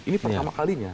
ini pertama kalinya